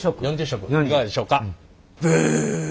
４０色いかがでしょうか。